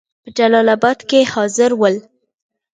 په جلال آباد کې حاضر ول.